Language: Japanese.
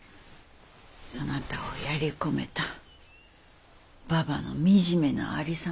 そなたをやり込めたババの惨めなありさまを見られて。